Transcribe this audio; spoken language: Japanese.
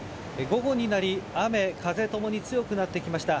午後になり、雨、風ともに強くなってきました。